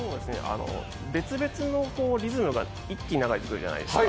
別々のリズムが一気に流れてくるじゃないですか。